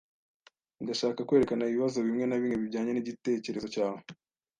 Ndashaka kwerekana ibibazo bimwe na bimwe bijyanye nigitekerezo cyawe.